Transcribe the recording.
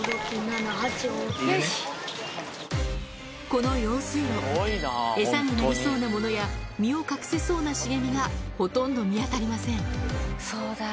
この用水路、餌になりそうなものや身を隠せそうな茂みがほとんど見当たりません。